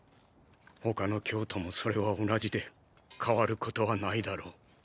他の教徒もそれは同じで変わることはないだろう。